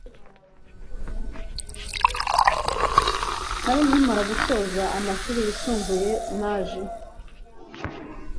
nari nkimara gusoza amashuri yisumbuye naje